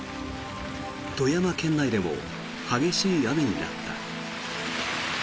富山県内でも激しい雨になった。